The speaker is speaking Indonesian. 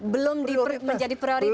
belum menjadi prioritas